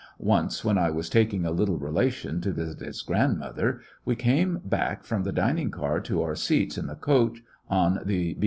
Once when I was taking a ^^^^^^^ little relation to visit his grandmother, we came back from the dining car to our seats in the coach on the £.